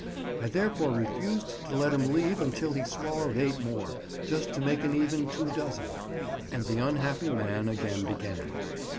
I therefore refused to let him leave unless he swallowed eight more—just to make an even two dozen—and the unhappy man again began.